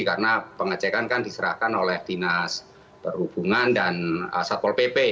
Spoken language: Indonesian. karena pengecekan kan diserahkan oleh dinas perhubungan dan satpol pp